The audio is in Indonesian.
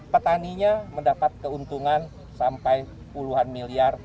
petaninya mendapat keuntungan sampai puluhan miliar